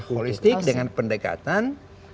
holistik dengan pendekatan